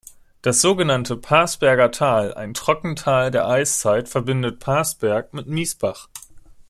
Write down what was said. Das sogenannte "Parsberger Tal", ein Trockental der Eiszeit, verbindet Parsberg mit Miesbach.